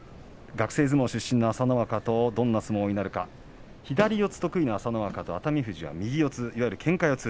学生相撲出身の朝乃若とどんな相撲になるか左四つ得意の朝乃若と熱海富士は右四つ、いわゆるけんか四つ。